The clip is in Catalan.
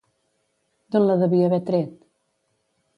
D'on la devia haver tret?